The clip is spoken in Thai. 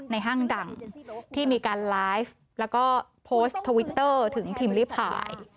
ห้างดังที่มีการไลฟ์แล้วก็โพสต์ทวิตเตอร์ถึงพิมพ์ลิพาย